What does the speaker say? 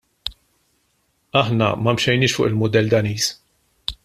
Aħna ma mxejniex fuq il-mudell Daniż.